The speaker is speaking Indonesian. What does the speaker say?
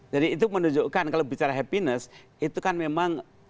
jadi itu menunjukkan kalau bicara happiness itu kan memang kayaknya